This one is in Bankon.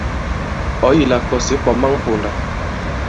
Ɔ̀̌ yi la kɔ̀s ǐ kwɔ̀ man ponda.